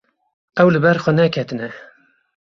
Ew li ber xwe neketine.